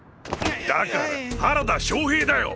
だから原田正平だよ！